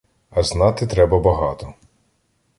А знати треба багато.